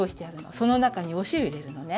そのなかにおしおを入れるのね。